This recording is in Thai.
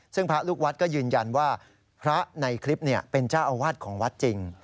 ซึ่งพระลูกวัดก็ยืนยันว่าพระในคลิปเป็นเจ้าอาวาสของวัดจริง